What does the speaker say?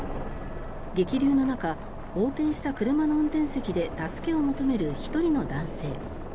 激流の中、横転した車の運転席で助けを求める１人の男性。